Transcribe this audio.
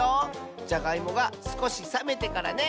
じゃがいもがすこしさめてからね！